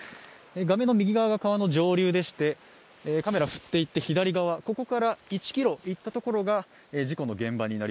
画面の右側が川の上流でして、カメラを振っていって左側、ここから１ｋｍ行ったところが事故の現場です。